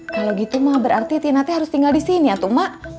kalo gitu mah berarti tina t harus tinggal disini atuk mak